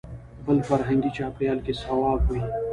بل فرهنګي چاپېریال کې صواب وي.